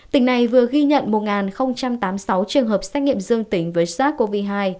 tỉnh này vừa ghi nhận một tám mươi sáu trường hợp xét nghiệm dương tính với sars cov hai